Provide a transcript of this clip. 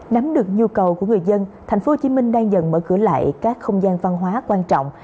nắm được nhu cầu của người dân thành phố hồ chí minh đang dần mở cửa lại các không gian văn hóa quan trọng